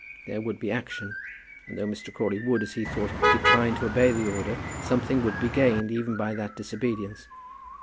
There would be action. And though Mr. Crawley would, as he thought, decline to obey the order, something would be gained even by that disobedience.